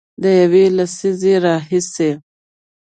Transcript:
د یوې لسیزې راهیسې